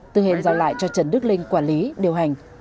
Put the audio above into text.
tư hên giao lại cho trần đức linh quản lý điều hành